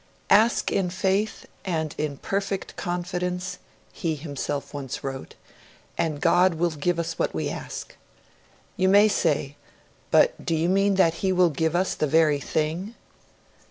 'Ask in faith and in perfect confidence,' he himself once wrote, and God will give us what we ask. You may say, "But do you mean that He will give us the very thing?"